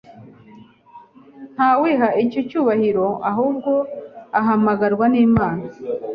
Nta wiha icyo cyubahiro, ahubwo ahamagarwa n’Imana